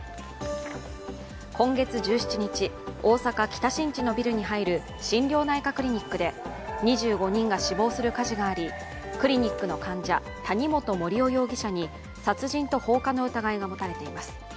今月１７日、大阪・北新地のビルに入る心療内科クリニックで２５人が死亡する火事がありクリニックの患者、谷本盛雄容疑者に殺人と放火の疑いが持たれています。